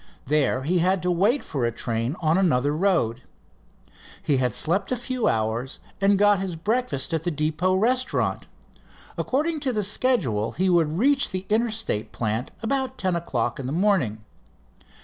There he had to wait for a train on another road. He had slept a few hours and got his breakfast at the depot restaurant. According to schedule he would reach the Interstate plant about ten O'clock in the morning.